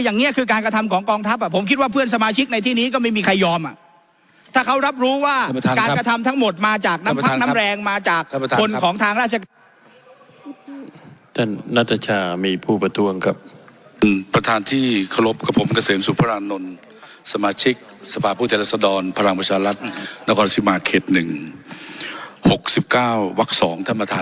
น้ำแรงมาจากคนของทางราชาฮุาของเ